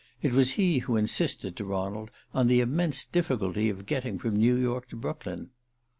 It was he who insisted, to Ronald, on the immense difficulty of getting from New York to Brooklyn.